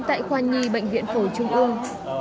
tại khoa nhi bệnh viện phổ trung ương